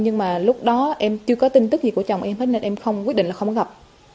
nhưng mà lúc đó em chưa có tin tức gì của chồng em thấy nên em không quyết định là không gặp